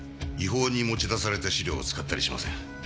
違法に持ち出された資料を使ったりしません。